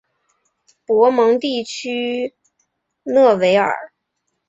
博蒙地区讷维尔。